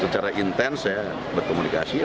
secara intens saya berkomunikasi